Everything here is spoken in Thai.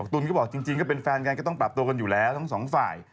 ตุ๋นก็บอกจริงก็เป็นแฟนกันก็ต้องปรับตัวกันอยู่แล้วทั้งสองฝ่าย